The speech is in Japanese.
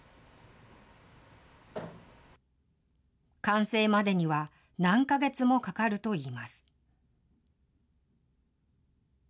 完成までには何か月もかかるといいます。